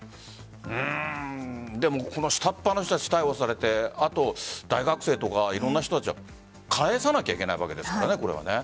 でも下っ端の人たちが逮捕されて大学生とかいろんな人たちは返さなければいけないわけですからね。